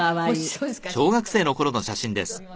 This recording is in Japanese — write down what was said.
そうですか。